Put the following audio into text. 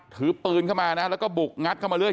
ถือปืนเข้ามานะแล้วก็บุกงัดเข้ามาเรื่อ